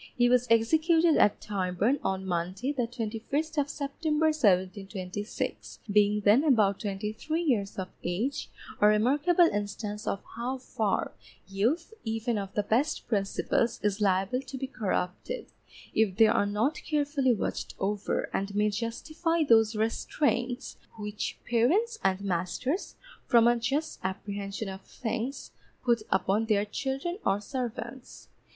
He was executed at Tyburn, on Monday, the 21st of September, 1726, being then about twenty three years of age, a remarkable instance of how far youth, even of the best principles, is liable to be corrupted, if they are not carefully watched over and may justify those restraints which parents and masters, from a just apprehension of things, put upon their children or servants.